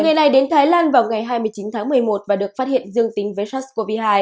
người này đến thái lan vào ngày hai mươi chín tháng một mươi một và được phát hiện dương tính với sars cov hai